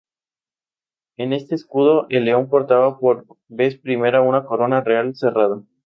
En este escudo el león portaba por vez primera una corona real cerrada.